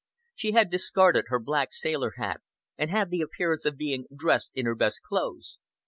She had discarded her black sailor hat, and had the appearance of being dressed in her best clothes.